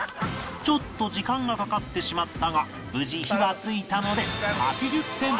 ちょっと時間がかかってしまったが無事火がついたので